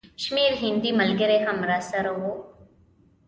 شمېر هندي ملګري هم راسره وو.